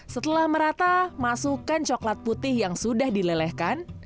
setelah merata masukkan coklat putih yang sudah dilelehkan